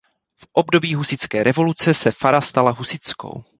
V období husitské revoluce se fara stala "husitskou".